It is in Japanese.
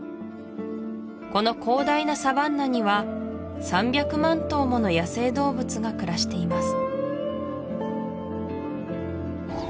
この広大なサバンナには３００万頭もの野生動物が暮らしています